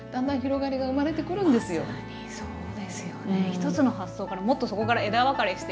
一つの発想からもっとそこから枝分かれしていく。